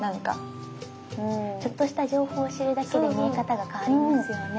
ちょっとした情報を知るだけで見え方が変わりますよね。